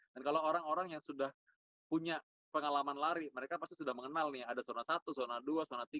dan kalau orang orang yang sudah punya pengalaman lari mereka pasti sudah mengenal nih ada zona satu zona dua zona tiga